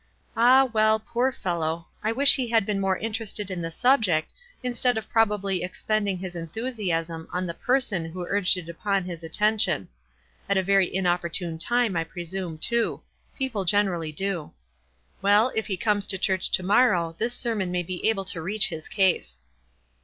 Ah, well, poor fellow, I wish he had been more interested in the subject instead of probably expending his enthusiasm on the person who urged it upon his attention ; at a very inopportune time, I presume, too — people generally do. Well, if he comes to church to morrow this sermon may be able to reach his case."